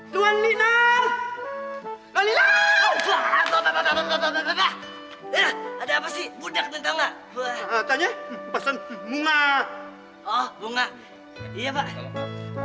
terima kasih kembali pak